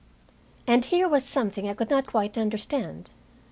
And here was something I could not quite understand.